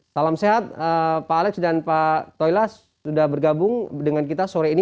salam sehat pak alex dan pak toilas sudah bergabung dengan kita sore ini